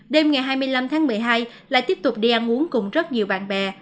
đêm ngày hai mươi năm tháng một mươi hai lại tiếp tục đi ăn uống cùng rất nhiều bạn bè